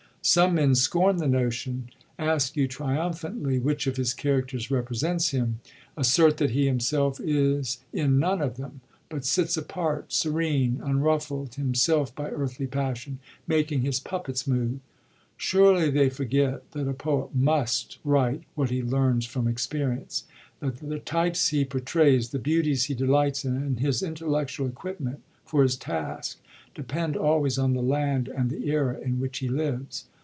Some men scorn the notion, ask you triumphantly which of his characters represents him, assert that he himself is in none of them, but sits apart, serene, unruffled himself by earthly passion, making his puppets move.^ Surely they forget that a poet rmist write what he learns from experience, that the types he portrays, the beauties he delights in, and his intellectual equipment for his task, depend always on the land and the era in which he lives.